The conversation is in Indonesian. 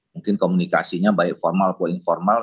mungkin komunikasinya baik formal maupun informal